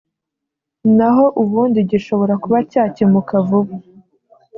na ho ubundi gishobora kuba cyakemuka vuba